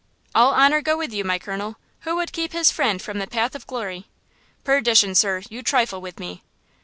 "All honor go with you, my colonel. Who would keep his friend from the path of glory?" "Perdition, sir, you trifle with me."